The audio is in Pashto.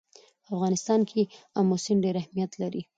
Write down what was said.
په افغانستان کې آمو سیند ډېر اهمیت لري.